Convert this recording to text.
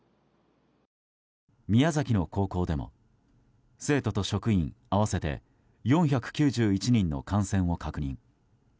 宮崎の高校でも生徒と職員合わせて４９１人の感染を確認。